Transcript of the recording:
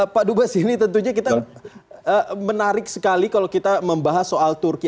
pak dubes ini tentunya kita menarik sekali kalau kita membahas soal turki